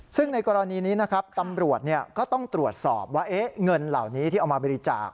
ซึ่งในกรณีนี้นะครับตำรวจก็ต้องตรวจสอบว่าเงินเหล่านี้ที่เอามาบริจาค